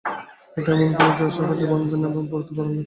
এটা এমন ঘড়ি হবে যা সহজে ভাঙবে না এবং পরতেও হবে আরামদায়ক।